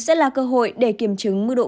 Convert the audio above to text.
sẽ là cơ hội để kiểm chứng mức độ